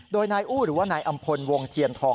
โดยนายอู้หรือว่านายอำพลวงเทียนทอง